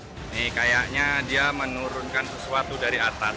ini kayaknya dia menurunkan sesuatu dari atas